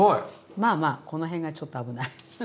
まあまあこの辺がちょっと危ない。